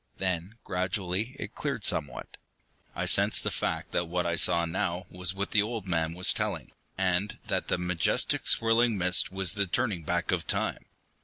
Then, gradually, it cleared somewhat. I sensed the fact that what I saw now was what the old man was telling, and that the majestic, swirling mist was the turning back of time.